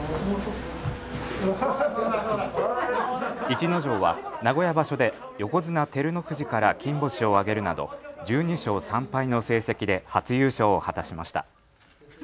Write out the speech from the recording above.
逸ノ城は名古屋場所で横綱照ノ富士から金星を挙げるなど１２勝３敗の成績で初優勝を果たしました。